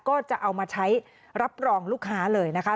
ก็จะเอามาใช้รับรองลูกค้าเลยนะคะ